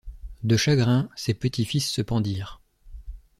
De chagrin, ses petits fils se pendirent.